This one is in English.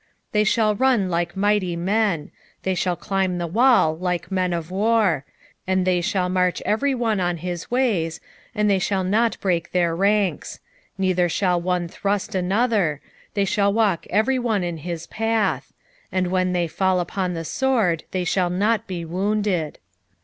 2:7 They shall run like mighty men; they shall climb the wall like men of war; and they shall march every one on his ways, and they shall not break their ranks: 2:8 Neither shall one thrust another; they shall walk every one in his path: and when they fall upon the sword, they shall not be wounded.